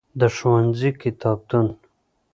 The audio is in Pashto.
د ښوونځی کتابتون.